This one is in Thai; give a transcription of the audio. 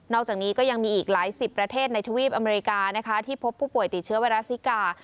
อกจากนี้ก็ยังมีอีกหลายสิบประเทศในทวีปอเมริกานะคะที่พบผู้ป่วยติดเชื้อไวรัสซิกา